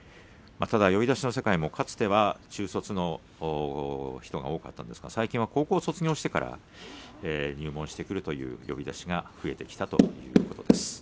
呼出しの世界もかつては中卒の人が多かったんですが最近は高校を卒業してから入門してくるという呼出しが増えてきたということです。